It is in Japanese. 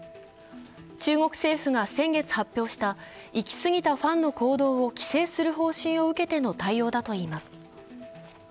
中国政府が先月発表した、行きすぎたファンの行動を規制する方針を受けての対応だといいます。